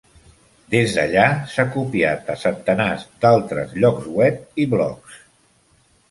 Des d'allà s'ha copiat a centenars d'altres llocs web i blogs.